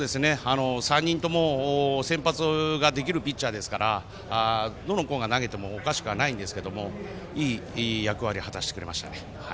３人とも先発ができるピッチャーですからどの子が投げてもおかしくないんですけどいい役割を果たしてくれましたね。